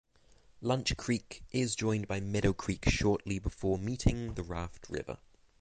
Lunch Creek is joined by Meadow Creek shortly before meeting the Raft River.